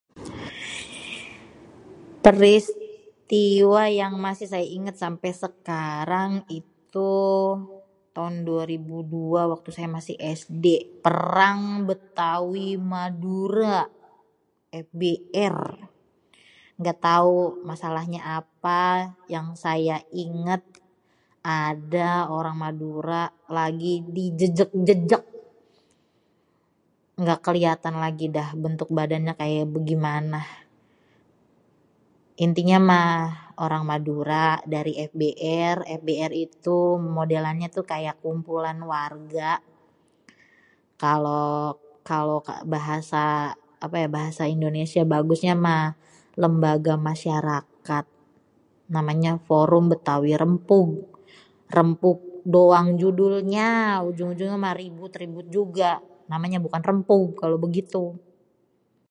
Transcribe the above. Peristiwa yang masi saya inget sampe sekarang itu taon 2002. Waktu saya masi SD perang Bétawi-Madura FBR, gatau masalahnya apa yang saya inget ada orang Madura lagi dijejek-jejek, engga keliatan lagi dah bentuk badannyah kaya begimanah. Intinya mah orang Madura dari FBR. FBR itu modelannya tuh kaya kumpulan warga kalo, kalo bahasa apa ya bahasa Indonesia bagusnya mah lembaga masyarakat Forum Bétawi Rempug. Rempug doang judulnya ujung-ujungnya mah ribut-ribut juga namanya bukan rempug kalo begitu.